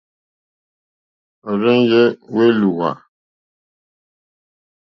Ó rzènjé èlùwà.